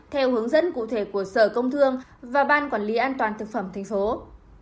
theo hướng dẫn cụ thể của sở công thương và ban quản lý an toàn thực phẩm tp hcm